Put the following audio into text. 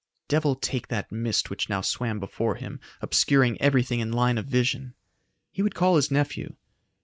Devil take that mist which now swam before him, obscuring everything in line of vision. He would call his nephew.